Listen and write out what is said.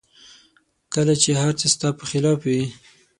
کله چې هر څه ستا په خلاف وي